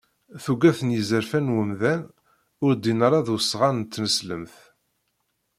Tuget n yizerfan n wemdan ur ddin ara d usɣan n tneslemt.